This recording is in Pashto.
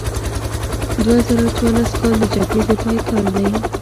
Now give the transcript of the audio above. دوه زره څوارلس کال د جګړې د پای کال دی.